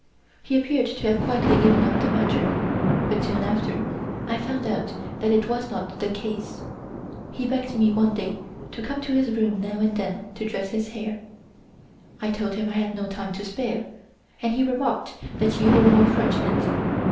He appeared to have quietly given up the matter, but soon after, I found out that it was not the case; he begged me one day to come to his room now and then to dress his hair; I told him I had no time to spare, and he remarked that you were more fortunate.